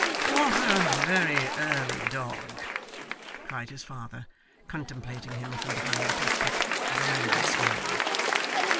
'What a very early dog!' cried his father, contemplating him from behind the toothpick, with a languid smile.